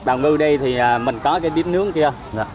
bào ngư đây thì mình có cái bếp nướng kia